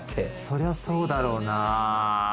そりゃそうだろうな。